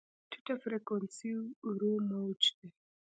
ټیټه فریکونسي ورو موج دی.